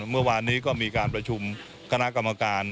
เมื่อวานนี้ก็มีการประชุมคณะกรรมการ